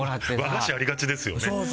和菓子ありがちですよね。